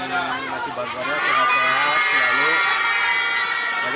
yang masih bantuan saya berharga terima kasih